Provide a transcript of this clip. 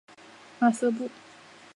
马瑟布。